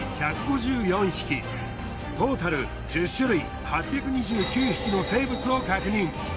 トータル１０種類８２９匹の生物を確認。